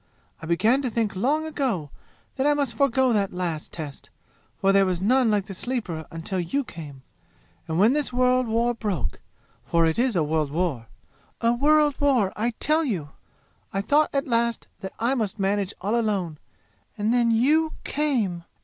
I began to think long ago that I must forego that last test, for there was none like the Sleeper until you came. And when this world war broke for it is a world war, a world war I tell you! I thought at last that I must manage all alone. And then you came!